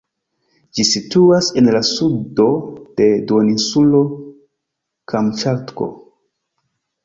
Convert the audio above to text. Ĝi situas en la sudo de duoninsulo Kamĉatko.